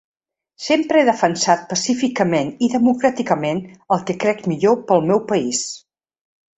Sempre he defensat pacíficament i democràticament el que crec millor per al meu país.